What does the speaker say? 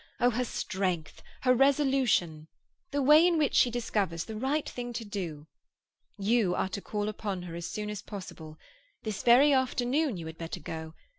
Oh, her strength, her resolution! The way in which she discovers the right thing to do! You are to call upon her as soon as possible. This very after noon you had better go.